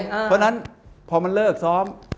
เพราะฉะนั้นพอมันเลิกซ้อม